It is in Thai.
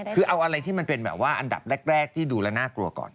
คือเอาอะไรที่มันเป็นแบบว่าอันดับแรกที่ดูแล้วน่ากลัวก่อน